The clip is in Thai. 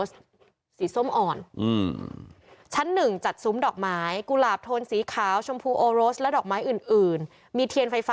ที่ชั้นหนึ่งนี่สวยงามมากจริงเห็นไหมคะ